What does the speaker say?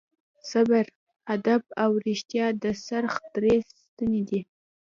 صبر، ادب او رښتیا د خرڅ درې ستنې دي.